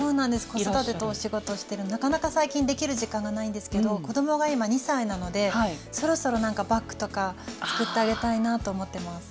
子育てとお仕事してるなかなか最近できる時間がないんですけど子供が今２歳なのでそろそろバッグとか作ってあげたいなぁと思ってます。